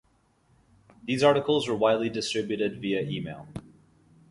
These articles were widely distributed via email.